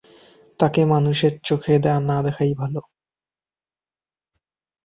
তাকে মানুষের চোখে না দেখাই ভালো।